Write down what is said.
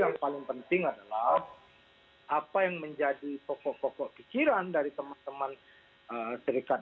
yang paling penting adalah apa yang menjadi pokok pokok pikiran dari teman teman serikat